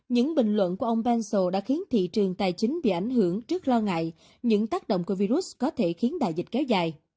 những bình luận của ông pencio đã khiến thị trường tài chính bị ảnh hưởng trước lo ngại những tác động của virus có thể khiến đại dịch kéo dài